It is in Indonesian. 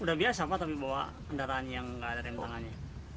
sudah biasa pak tapi bawa kendaraan yang nggak ada rem tangannya